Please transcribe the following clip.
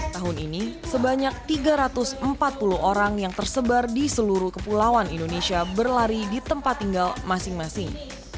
tahun ini sebanyak tiga ratus empat puluh orang yang tersebar di seluruh kepulauan indonesia berlari di tempat tinggal masing masing